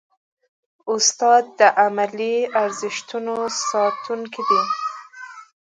استاد د علمي ارزښتونو ساتونکی دی.